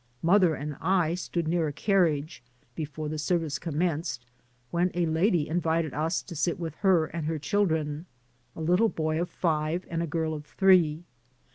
Mother and I stood near a carriage, before the serv ice commenced, when a lady invited us to sit with her and her children — a little boy of five and a girl of three.